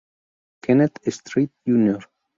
Kenneth Street, Jr.